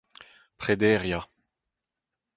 prederiañ